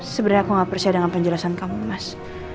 sebenernya aku gak percaya dengan penjelasan kamu mas